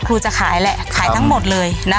จะขายแหละขายทั้งหมดเลยนะ